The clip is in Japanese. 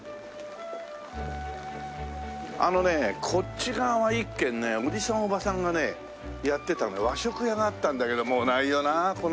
あのねえこっち側は一軒ねおじさんおばさんがねやってた和食屋があったんだけどもうないよなあ。